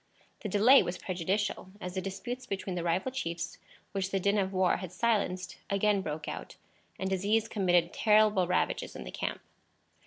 The delay was prejudicial, as the disputes between the rival chiefs, which the din of war had silenced, again broke out, and disease committed terrible ravages in the camp.